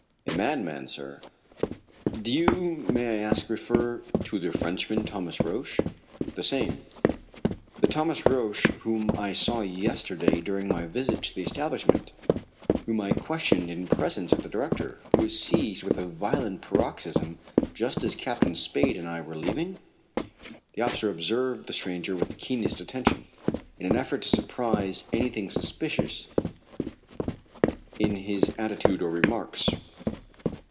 "A madman, sir? Do you, may I ask, refer to the Frenchman, Thomas Roch?" "The same." "The Thomas Roch whom I saw yesterday during my visit to the establishment whom I questioned in presence of the director who was seized with a violent paroxysm just as Captain Spade and I were leaving?" The officer observed the stranger with the keenest attention, in an effort to surprise anything suspicious in his attitude or remarks.